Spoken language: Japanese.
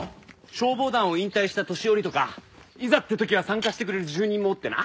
消防団を引退した年寄りとかいざって時は参加してくれる住人もおってな。